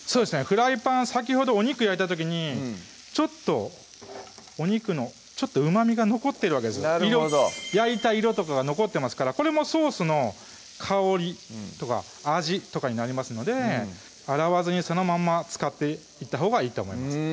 フライパン先ほどお肉焼いた時にちょっとお肉のうま味が残ってるわけですよ焼いた色とかが残ってますからこれもソースの香りとか味とかになりますので洗わずにそのまんま使っていったほうがいいと思います